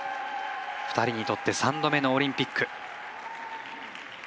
２人にとって３度目のオリンピック。